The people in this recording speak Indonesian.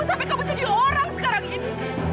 sampai kamu jadi orang sekarang ini